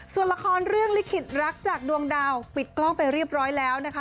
ส่วนละครเรื่องลิขิตรักจากดวงดาวปิดกล้องไปเรียบร้อยแล้วนะคะ